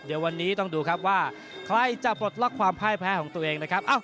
เดี๋ยววันนี้ต้องดูครับว่าใครจะปลดล็อกความพ่ายแพ้ของตัวเองนะครับ